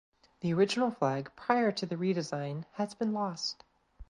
The original flag prior to the redesign has been lost.